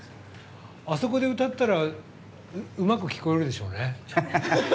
あそこで歌ったらうまく聴こえるでしょうね。